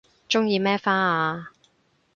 鍾意咩花啊